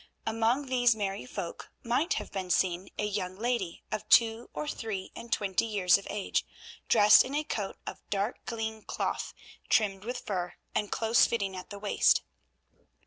Among these merry folk might have been seen a young lady of two or three and twenty years of age, dressed in a coat of dark green cloth trimmed with fur, and close fitting at the waist.